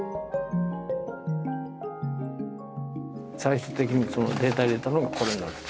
最終的にデータを入れたのがこれなんです。